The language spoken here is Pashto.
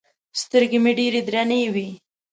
سترګې مې ډېرې درنې وې.